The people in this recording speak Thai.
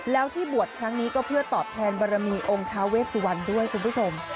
แล้วที่บวชครั้งนี้ก็เพื่อตอบแทนบรมีองค์ท้าเวสวันด้วยคุณผู้ชม